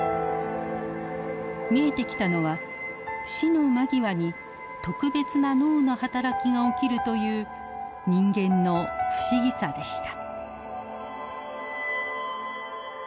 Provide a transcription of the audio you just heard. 見えてきたのは死の間際に特別な脳の働きが起きるという人間の不思議さでした。